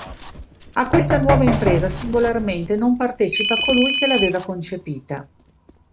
A questa nuova impresa, singolarmente, non partecipa colui che l'aveva concepita.